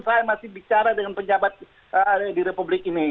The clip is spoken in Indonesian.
saya masih bicara dengan pejabat di republik ini